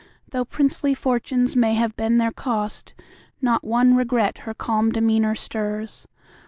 Though princely fortunes may have been their cost, Not one regret her calm demeanor stirs.